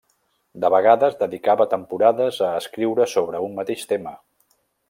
De vegades, dedicava temporades a escriure sobre un mateix tema.